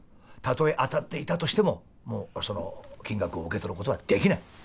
たとえ当たっていたとしてももうその金額を受け取ることはできない。